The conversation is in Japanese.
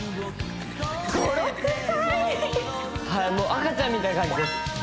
はいもう赤ちゃんみたいな感じです